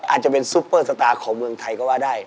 อาจจะเป็นซุปเปอร์สตาร์ของเมืองไทยก็ว่าได้